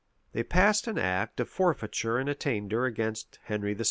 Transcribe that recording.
They passed an act of forfeiture and attainder against Henry VI.